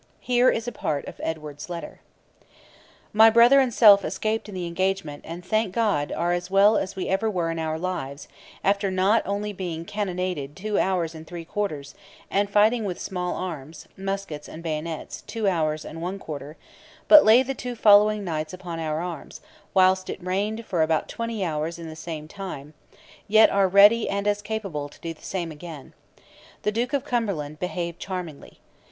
Here is a part of Edward's letter: My brother and self escaped in the engagement and, thank God, are as well as ever we were in our lives, after not only being cannonaded two hours and three quarters, and fighting with small arms [muskets and bayonets] two hours and one quarter, but lay the two following nights upon our arms; whilst it rained for about twenty hours in the same time, yet are ready and as capable to do the same again. The Duke of Cumberland behaved charmingly.